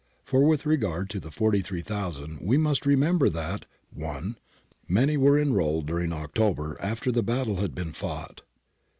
For with regard to the 43,000 we must remember that — 1. Many were enrolled during October after the battle had been fought.